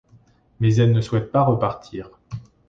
Mais elle ne souhaite pas repartir.